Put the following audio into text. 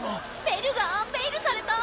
ベルがアンベイルされた？